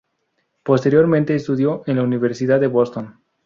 Posteriormente, estudió en la Universidad de Boston.